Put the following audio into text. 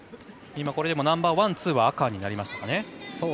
これでもナンバーワン、ツーは赤になりましたかね。